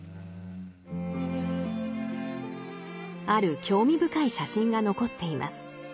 ある興味深い写真が残っています。